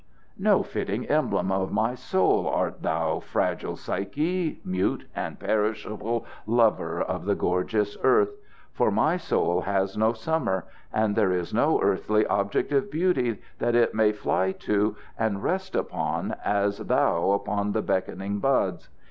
"No fitting emblem of my soul art thou, fragile Psyche, mute and perishable lover of the gorgeous earth. For my soul has no summer, and there is no earthly object of beauty that it may fly to and rest upon as thou upon the beckoning buds.